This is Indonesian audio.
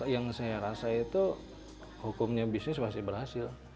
yang saya rasa itu hukumnya bisnis pasti berhasil